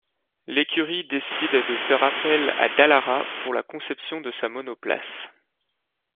L'écurie décide de faire appel à Dallara pour la conception de sa monoplace.